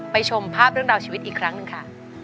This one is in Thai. ชมภาพเรื่องราวชีวิตอีกครั้งหนึ่งค่ะ